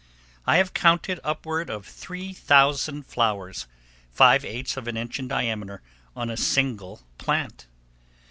I have counted upward of 3000 flowers, five eighths of an inch in diameter, on a single plant.